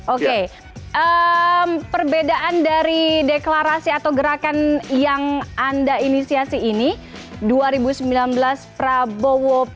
oke perbedaan dari deklarasi atau gerakan yang anda inisiasi ini dua ribu sembilan belas prabowo